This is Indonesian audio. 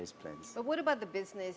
bagaimana dengan bisnis